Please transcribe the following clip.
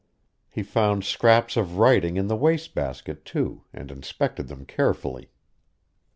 He found scraps of writing in the wastebasket, too, and inspected them carefully.